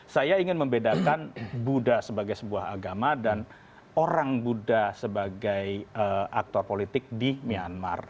saya ingin membedakan buddha sebagai sebuah agama dan orang buddha sebagai aktor politik di myanmar